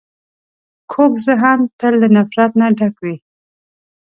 کوږ ذهن تل له نفرت نه ډک وي